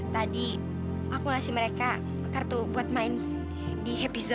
tadi aku ngasih mereka kartu buat main di happy zoo